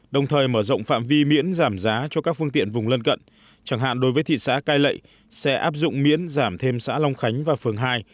đồng thời mở rộng phạm vi miễn giảm giá cho các phương tiện vùng lân cận chẳng hạn đối với thị xã cai lệ sẽ áp dụng miễn giảm thêm xã long khánh và phường hai